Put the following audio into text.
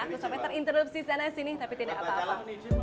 terus sampai terinterrupt si sena disini tapi tidak apa apa